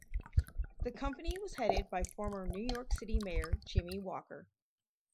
The company was headed by former New York City mayor Jimmy Walker.